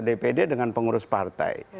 dpd dengan pengurus partai